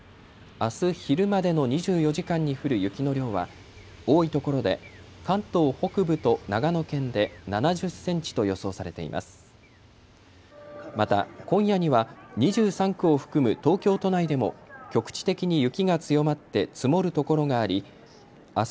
あす昼までの２４時間に降る雪の量は多いところで関東北部と長野県で７０センチと予想されています。